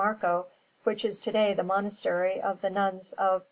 Marco (which is to day the Monastery of the Nuns of S.